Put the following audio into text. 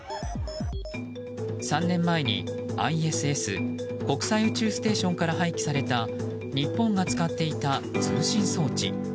３年前にＩＳＳ・国際宇宙ステーションから廃棄された日本が使っていた通信装置。